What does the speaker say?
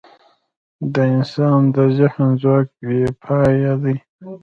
د انسان د ذهن ځواک بېپایه دی.